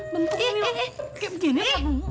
bentuk intinya kayak begini